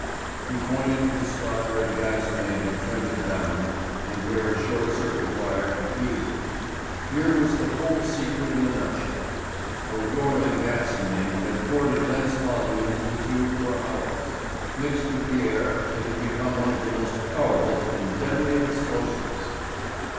He pointed to the spot where the gas main had trended down and where a short circuit wire had fused it. Here was the whole secret in a nutshell. A roaring gas main had poured a dense volume into the tube for hours; mixed with the air it had become one of the most powerful and deadly of explosives.